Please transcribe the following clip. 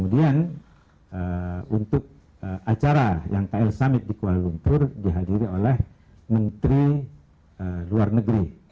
dan untuk acara yang kl summit di kuala lumpur dihadiri oleh menteri luar negeri